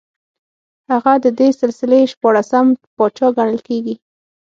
هغه د دې سلسلې شپاړسم پاچا ګڼل کېږي